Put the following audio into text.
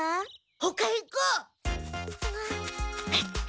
ほかへ行こう。